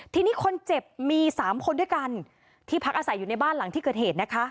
ทีนี้คนเจ็บมี๓คนด้วยกันที่พักอาศัยอยู่ในบ้านหลังที่เกิดเหตุนะคะ